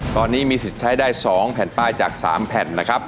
ตอนนี้มีสิทธิ์ใช้ได้๒แผ่นป้ายจาก๓แผ่นนะครับ